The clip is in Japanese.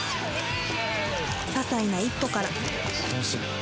ささいな一歩から